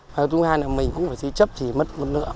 và thứ hai là mình cũng phải xí chấp thì mất một lượng